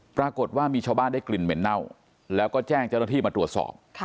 ปรากฏว่ามีชาวบ้านได้กลิ่นเหม็นเน่าแล้วก็แจ้งเจ้าหน้าที่มาตรวจสอบ